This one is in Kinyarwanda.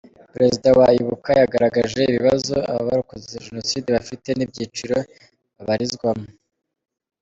Perezida wa Ibuka yagaragaje ibibazo abarokotse Jenoside bafite n’ibyiciro bibarizwamo.